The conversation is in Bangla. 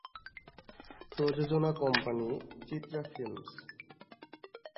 প্রযোজনা কোম্পানি- চিত্রা ফিল্মস।